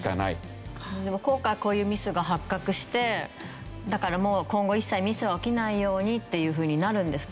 でも今回こういうミスが発覚してだからもう今後一切ミスは起きないようにっていうふうになるんですか？